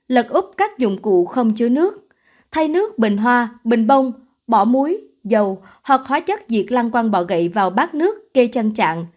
lật úp các dụng cụ không chứa nước thay nước bình hoa bình bông bỏ muối dầu hoặc hóa chất diệt loan quăng bỏ gậy vào bát nước kê chân chạng